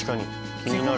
気になる。